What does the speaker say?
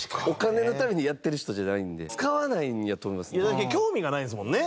だって興味がないんですもんね。